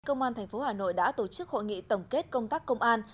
công an thành phố hà nội đã tổ chức hội nghị tổng kết công tác công an